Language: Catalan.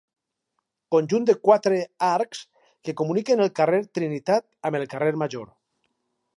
Conjunt de quatre arcs que comuniquen el carrer Trinitat amb el carrer Major.